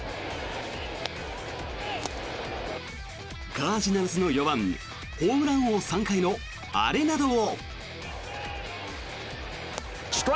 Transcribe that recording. カージナルスの４番ホームラン王３回のアレナドを。